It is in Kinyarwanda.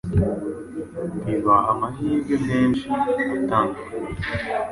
bibaha amahirwe menshi.atandukanye